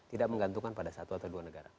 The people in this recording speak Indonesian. tidak menggantungkan pada satu atau dua negara